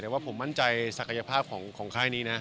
แต่ว่าผมมั่นใจศักยภาพของค่ายนี้นะ